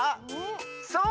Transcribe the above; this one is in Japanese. そう。